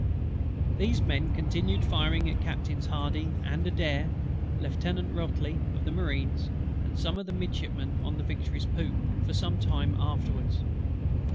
These men continued firing at Captains HARDY and ADAIR, Lieutenant ROTELY of the Marines, and some of the Midshipman on the Victory's poop, for some time afterwards.